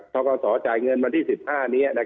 ท้องการสอบจ่ายเงินมาที่๑๕นี้